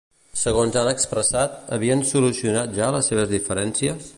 Segons han expressat, havien solucionat ja les seves diferències?